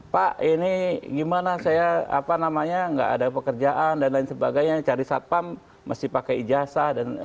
pak ini gimana saya enggak ada pekerjaan dan lain sebagainya cari satpam masih pakai ijazah